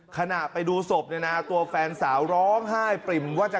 ขณะไปดูศพนะตัวแฟนสาวร้องไห้ปริมว่าจะขาดใจ